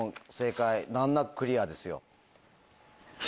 難なくクリアですよ。